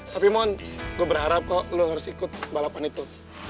tapi moon gue berharap kok lo harus ikut balapan itu